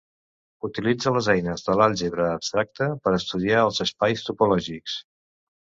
Utilitza les eines de l'àlgebra abstracta per estudiar els espais topològics.